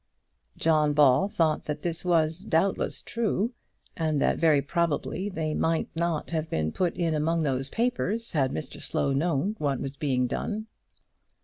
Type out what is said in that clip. John Ball thought that this was, doubtless, true, and that very probably they might not have been put in among those papers had Mr Slow known what was being done.